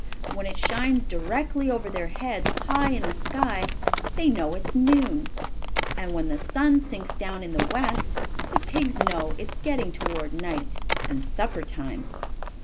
When it shines directly over their heads, high in the sky, they know it is noon. And when the sun sinks down in the west the pigs know it is getting toward night, and supper time.